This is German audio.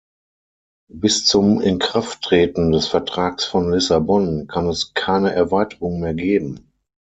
Bis zum Inkrafttreten des Vertrags von Lissabon kann es keine Erweiterung mehr geben.